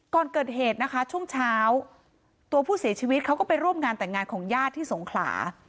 ก่อนเกิดเหตุนะคะช่วงเช้าตัวผู้เสียชีวิตเขาก็ไปร่วมงานแต่งงานของญาติที่สงขลา